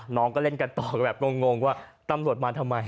น้องก็เล่นกันต่อแบบงงว่าตำรวจมาทำไม